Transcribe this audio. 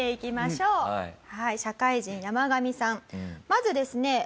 まずですね